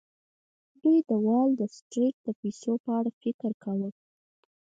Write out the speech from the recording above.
دوی د وال سټریټ د پیسو په اړه فکر کاوه